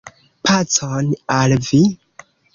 Pacon al vi!